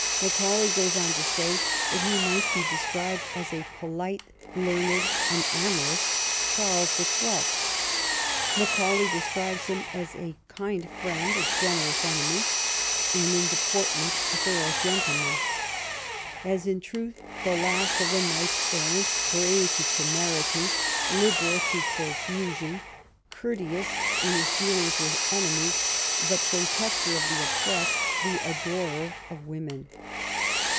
Macaulay goes on to say that he might be described as a "polite, learned, and amorous Charles the Twelfth." Macau lay describes him as "a kind friend, a generous enemy, and in deportment a thorough gentleman," as '*in truth, the last of the knights errant, brave to temerity, liberal to profusion, courteous in his dealings with enemies, the protector of the oppressed, the adorer of women."